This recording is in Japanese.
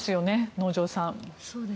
能條さん。